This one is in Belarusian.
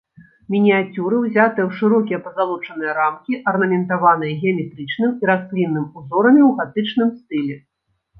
Мініяцюры ўзятыя ў шырокія пазалочаныя рамкі, арнаментаваныя геаметрычным і раслінным узорамі ў гатычным стылі.